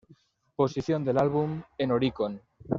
Posición del álbum en Oricon.